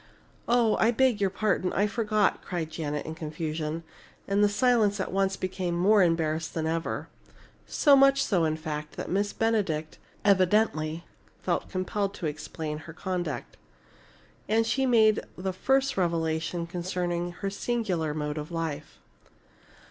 "Oh! I beg your pardon I forgot!" cried Janet, in confusion, and the silence at once became more embarrassed than ever. So much so, in fact, that Miss Benedict evidently felt impelled to explain her conduct. And she made the first revelation concerning her singular mode of life.